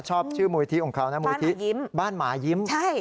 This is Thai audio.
ชอบชื่อมูลลิธิของเขานะบ้านหมายิ้ม